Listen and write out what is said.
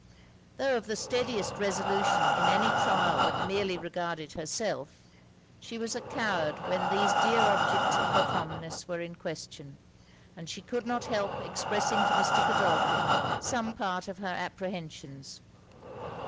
Tho' of the steadiest resolution in any trial that merely regarded herself, she was a coward when these dear objects of her fondness were in question; and she could not help expressing to Mr. Godolphin some part of her apprehensions.